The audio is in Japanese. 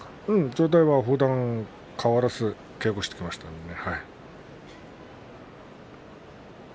状態はふだんと変わらず稽古をしていますね。